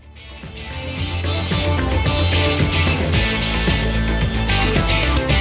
โปรดติดตามตอนต่อไป